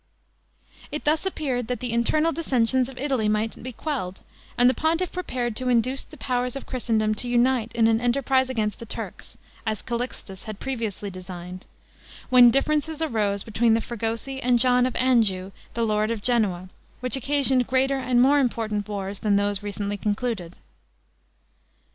It thus appeared that the internal dissensions of Italy might be quelled, and the pontiff prepared to induce the powers of Christendom to unite in an enterprise against the Turks (as Calixtus had previously designed) when differences arose between the Fregosi and John of Anjou, the lord of Genoa, which occasioned greater and more important wars than those recently concluded.